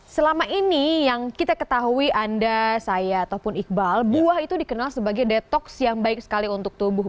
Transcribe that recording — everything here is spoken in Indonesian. selama ini yang kita ketahui anda saya ataupun iqbal buah itu dikenal sebagai detox yang baik sekali untuk tubuh